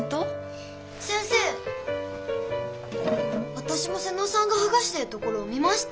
わたしも妹尾さんがはがしてるところを見ました！